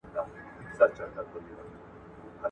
بې ایماني د بدمرغۍ سبب ګرځي.